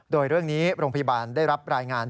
โดยเรื่องนี้โรงพยาบาลได้รับรายงาน